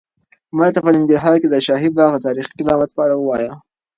ماته په ننګرهار کې د شاهي باغ د تاریخي قدامت په اړه ووایه.